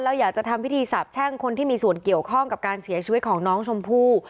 อยากจะทำพิธีสาบแช่งคนที่มีส่วนเกี่ยวข้องกับการเสียชีวิตของน้องชมพู่